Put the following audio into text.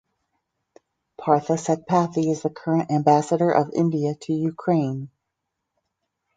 Partha Satpathy is the current Ambassador of India to Ukraine.